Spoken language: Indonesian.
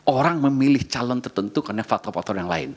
orang memilih calon tertentu karena faktor faktor yang lain